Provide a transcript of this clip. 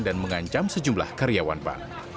dan mengancam sejumlah karyawan bank